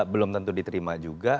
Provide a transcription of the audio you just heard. belum tentu diterima juga